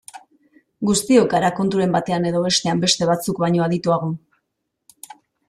Guztiok gara konturen batean edo bestean beste batzuk baino adituago.